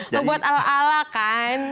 membuat ala ala kan